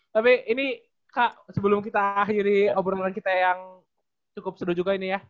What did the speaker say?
tapi ini kak sebelum kita akhiri obrolan kita yang cukup seduh juga ini ya